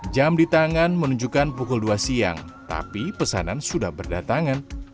jam di tangan menunjukkan pukul dua siang tapi pesanan sudah berdatangan